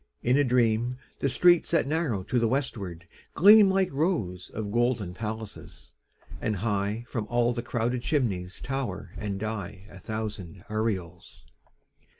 In a dream The streets that narrow to the westward gleam Like rows of golden palaces; and high From all the crowded chimneys tower and die A thousand aureoles.